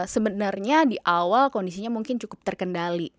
sebenarnya di awal kondisinya mungkin cukup terkendali